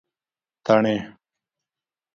تڼۍ